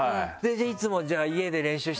「いつもじゃあ家で練習してるんですか？」